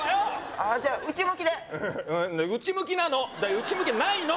ああじゃあ内向きで内向きなのだから内向きはないの！